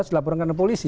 sudah dilaporin polisi